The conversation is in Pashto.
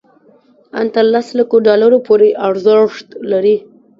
ان تر لس لکو ډالرو پورې ارزښت لري.